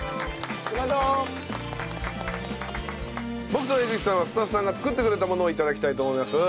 僕と江口さんはスタッフさんが作ってくれたものを頂きたいと思います。